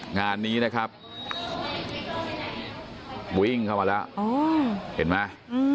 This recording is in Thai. งานนี้นะครับวิ่งเข้ามาแล้วเห็นไหม